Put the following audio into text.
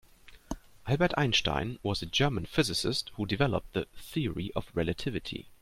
Albert Einstein was a German physicist who developed the Theory of Relativity.